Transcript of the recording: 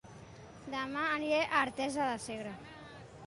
Dema aniré a Artesa de Segre